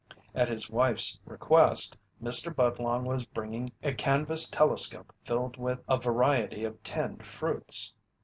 At his wife's request, Mr. Budlong was bringing a canvas telescope filled with a variety of tinned fruits.